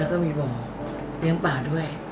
แล้วก็มีบ่เหลืองป่าด้วย